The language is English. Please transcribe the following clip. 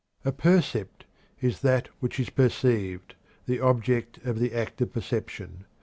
A percept is "that which is perceived; the object of the act of perception."